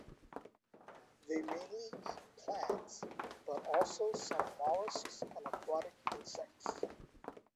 They mainly eat plants, but also some mollusks and aquatic insects.